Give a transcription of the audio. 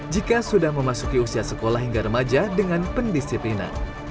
jika sudah memasuki usia sekolah hingga remaja dengan pendisiplinan